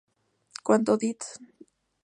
Cuando "Death Jr.